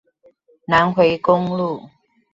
南迴公路